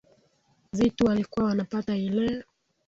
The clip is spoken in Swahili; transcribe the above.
vitu walikuwa wanapata ilee